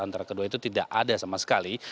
antara kedua itu tidak ada sama sekali